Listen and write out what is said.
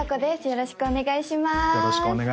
よろしくお願いします